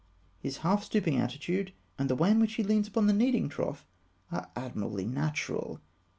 His half stooping attitude, and the way in which he leans upon the kneading trough, are admirably natural.